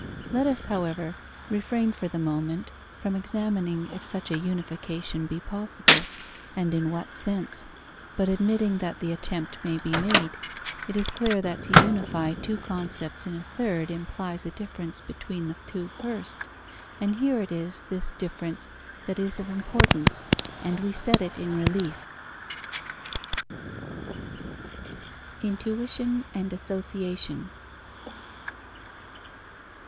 Let us, however, refrain for the moment from examining if such a unification be possible, and in what sense, but admitting that the attempt may be made, it is clear that to unify two concepts in a third implies a difference between the two first. And here it is this difference that is of importance and we set it in relief. _Intuition and association.